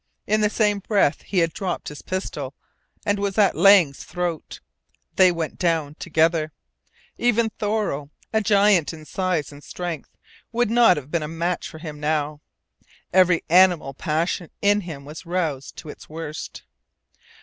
In the same breath he had dropped his pistol and was at Lang's throat. They went down together. Even Thoreau, a giant in size and strength, would not have been a match for him now. Every animal passion in him was roused to its worst.